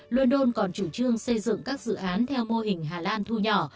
london còn chủ trương xây dựng các dự án theo mô hình hà lan thu nhỏ